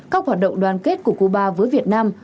các hoạt động đoàn kết của cuba với việt nam